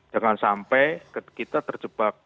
jangan sampai kita terjebak